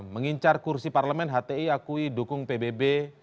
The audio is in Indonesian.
mengincar kursi parlemen hti akui dukung pbb